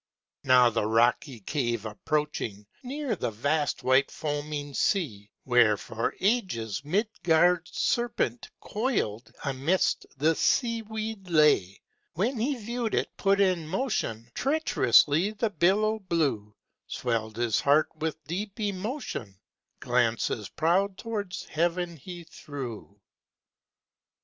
Now the rocky cave approaching, Near the vast white foaming sea, Where for ages MidgardŌĆÖs serpent CoilŌĆÖd amidst the sea weed lay; When he viewŌĆÖd it put in motion TreachŌĆÖrously the billow blue; SwellŌĆÖd his heart with deep emotion; Glances proud towards heaven he threw.